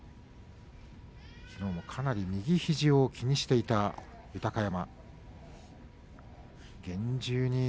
きのうもかなり右肘を気にしていた豊山。